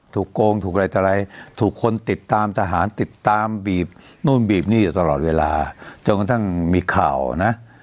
โกงถูกอะไรต่ออะไรถูกคนติดตามทหารติดตามบีบนู่นบีบนี่อยู่ตลอดเวลาจนกระทั่งมีข่าวนะ